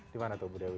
di mana tuh ibu dewi